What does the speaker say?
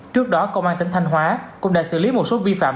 trước đó công an tỉnh thanh hóa cũng đã xử lý một số vi phạm